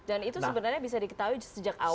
dan itu sebenarnya bisa diketahui sejak awal